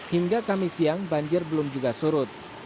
hingga kamis siang banjir belum juga surut